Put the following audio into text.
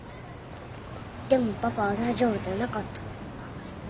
でもパパは大丈夫じゃなかった。